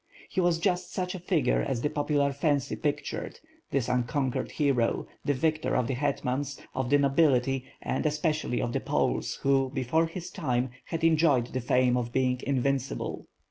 He was just such a figure as the popular fancy pic tured, this unconquered hero, the victor of the hetmans, of the nobility and especially of the Poles, who, before his time, had enjoyed the fame of being invincible.